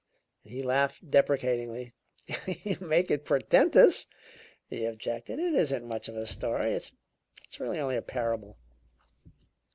He laughed deprecatingly. "You make it portentous," he objected. "It isn't much of a story; it's it's really only a parable."